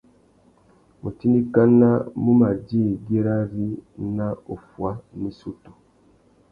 Mutindikana mù mà djï güirari nà uffuá nà issutu.